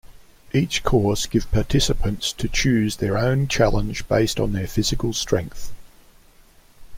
Each course give participants to choose their own challenge based on their physical strength.